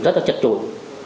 rất là chất trội